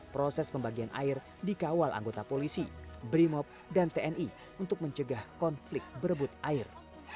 proses pembagian air dikawal anggota polisi brimob dan tni untuk mencegah konflik berebut air